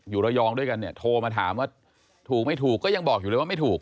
อยู่ระยองด้วยกันเนี่ยโทรมาถามว่าถูกไม่ถูกก็ยังบอกอยู่เลยว่าไม่ถูก